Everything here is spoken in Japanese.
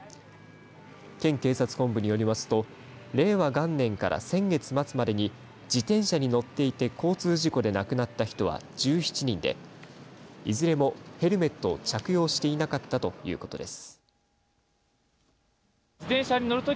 県警察本部によりますと令和元年から先月末までに自転車に乗っていて交通事故で亡くなった人は１７人でいずれもヘルメットを着用していなかったということです。